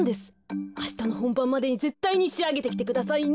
あしたのほんばんまでにぜったいにしあげてきてくださいね！